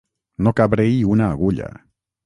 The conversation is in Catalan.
No cabre-hi una agulla.